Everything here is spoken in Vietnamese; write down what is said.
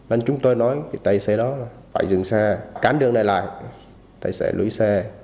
anh chúng tôi nói với tài xế đó là phải dừng xe cán đường này lại tài xế lúi xe